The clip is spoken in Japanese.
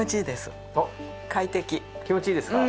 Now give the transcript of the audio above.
気持ちいいですか？